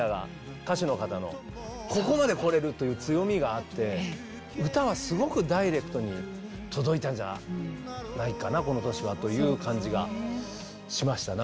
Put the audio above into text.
歌手の方のここまでこれるという強みがあって歌はすごくダイレクトに届いたんじゃないかな、この年はという感じがしました。